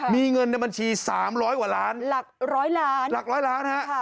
มีเงินในบัญชี๓๐๐กว่าล้านหลัก๑๐๐ล้านหลัก๑๐๐ล้านนะครับ